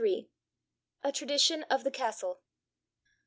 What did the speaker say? A TRADITION OF THE CASTLE.